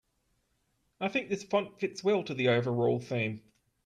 I think this font fits well to the overall theme.